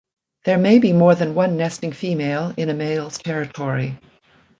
There may be more than one nesting female in a male's territory.